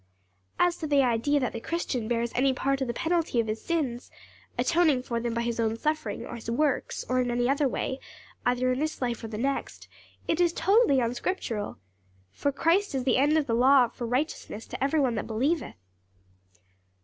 "As to the idea that the Christian bears any part of the penalty of his sins atoning for them by his own suffering, or his works, or in any other way, either in this life or the next, it is totally unscriptural. 'For Christ is the end of the law for righteousness to every one that believeth.'"